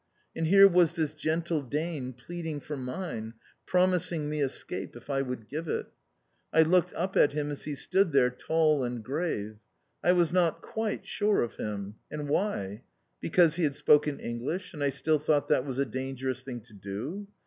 And here was this gentle Dane pleading for mine, promising me escape if I would give it. I looked up at him as he stood there, tall and grave. I was not quite sure of him. And why? Because he had spoken English and I still thought that was a dangerous thing to do.